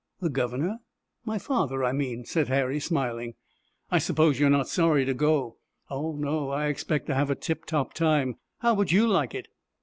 "The governor?" "My father, I mean," said Harry, smiling. "I suppose you are not sorry to go?" "Oh, no; I expect to have a tip top time. How would you like it?"